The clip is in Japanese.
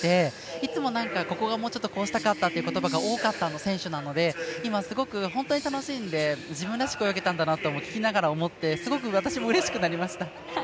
いつも、ここはもうちょっとこうしたかったという言葉が多かった選手なので今、すごく本当に楽しんで自分らしく泳げたんだなって聞きながら思ってうれしくなりました。